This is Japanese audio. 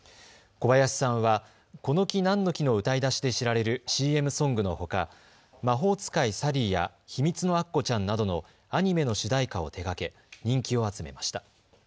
小林さんは、この木なんの木の歌いだしで知られるＣＭソングのほか、魔法使いサリーやひみつのアッコちゃんなどのアニメの主題歌を手がけ人気を集めました。